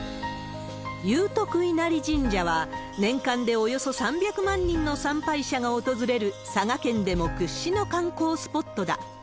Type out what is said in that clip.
祐徳稲荷神社は、年間でおよそ３００万人の参拝者が訪れる、佐賀県でも屈指の観光スポットだ。